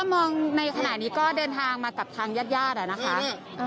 เอ่อถ้ามองในขณะนี้ก็เดินทางมากับทางญาติญาติอ่ะนะคะอ่า